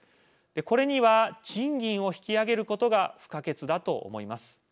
これには賃金を引き上げることが不可欠だと思います。